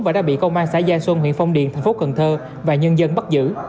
và đã bị công an xã gia xuân huyện phong điền thành phố cần thơ và nhân dân bắt giữ